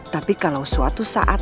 tapi kalau suatu saat